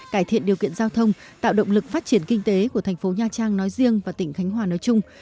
cải thiện điều kiện giao thông tạo động lực phát triển kinh tế của thành phố nha trang nói riêng và tỉnh khánh hòa nói chung